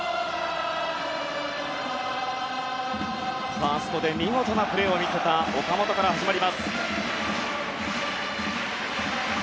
ファーストで見事なプレーを見せた岡本から始まります。